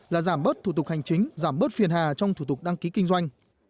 là giảm bớt thủ tục hành chính giảm bớt phiền hà trong thủ tục đăng ký kinh doanh